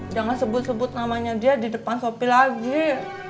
jangan sebut sebut namanya dia di depan kopi lagi